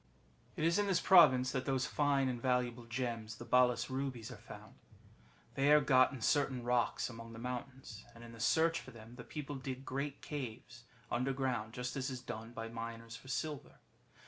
^ It is in this province that those fine and valuable gems the Balas Rubies are found. They are got in certain rocks among the mountains, and in the search for them the people dig great caves underground, just as is done by miners for silver.